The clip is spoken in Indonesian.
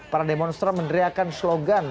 para demonstran meneriakan slogan